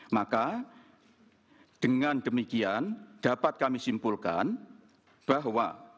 maka dengan demikian dapat kami simpulkan bahwa